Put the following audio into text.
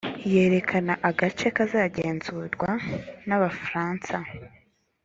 yerekana agace kazagenzurwa n abafaransa